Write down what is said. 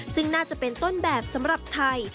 ซึ่งน่าจะเป็นต้นแบบสำหรับไทย